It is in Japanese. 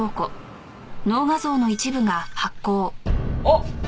あっ！